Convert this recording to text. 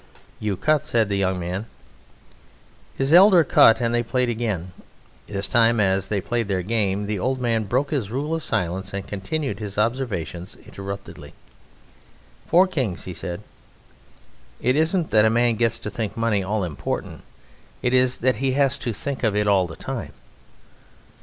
"You cut," said the young man. His elder cut and they played again. This time as they played their game the old man broke his rule of silence and continued his observations interruptedly: "Four kings," he said.... "It isn't that a man gets to think money all important, it is that he has to think of it all the time....